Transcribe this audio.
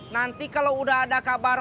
nanti kalau udah ada kabar